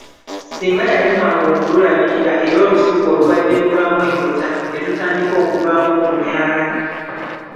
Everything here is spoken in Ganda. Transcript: Singa yalemwanga okululabirira era olusuku olubadde luvaamu enkota ne lutandika okuvaamu obunyaala.